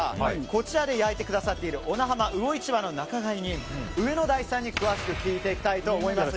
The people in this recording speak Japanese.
こちらで焼いてくださっている小名浜魚市場仲買人上野台さんに詳しく聞いていきたいと思います。